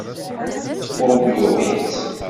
Bob yuɣ-itt.